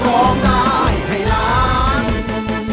หยุดหยุดหยุด